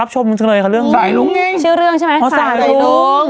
ชื่อเรื่องใช่ไหมสายรุง